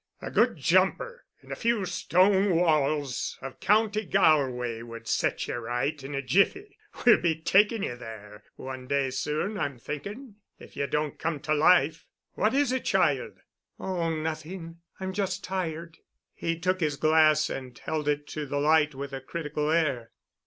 "A good jumper and a few stone walls of County Galway would set ye right in a jiffy. We'll be taking ye there, one day soon, I'm thinking, if ye don't come to life. What is it, child?" "Oh—nothing—I'm just tired." He took his glass and held it to the light with a critical air.